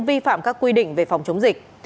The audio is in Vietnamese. vi phạm các quy định về phòng chống dịch